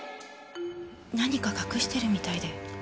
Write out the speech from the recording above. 何か隠してるみたいで。